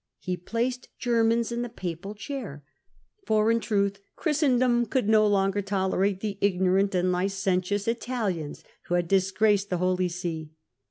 He placed Germans in the papal chair, for in tmth Christendom could no longer tolerate the ignorant and licentious Italians who had disgraced the Holy See.